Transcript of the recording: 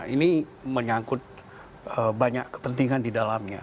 ini menyangkut banyak kepentingan di dalamnya